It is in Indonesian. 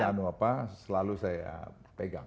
itu selalu saya pegang